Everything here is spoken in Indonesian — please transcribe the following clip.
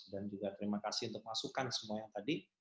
dan juga terima kasih untuk masukan semua yang tadi